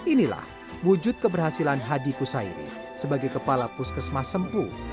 inilah wujud keberhasilan hadi kusairi sebagai kepala puskesmas sempu